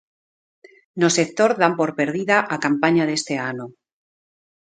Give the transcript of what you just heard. No sector dan por perdida a campaña deste ano.